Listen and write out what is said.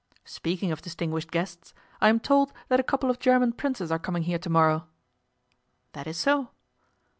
'Speaking of distinguished guests, I am told that a couple of German princes are coming here to morrow.' 'That is so.